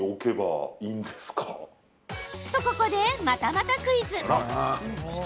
と、ここで、またまたクイズ。